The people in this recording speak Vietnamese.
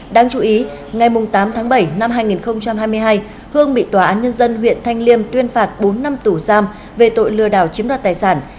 đáng chú ý ngày tám tháng bảy năm hai nghìn hai mươi hai hương bị tòa án nhân dân huyện thanh liêm tuyên phạt bốn năm tù giam về tội lừa đảo chiếm đoạt tài sản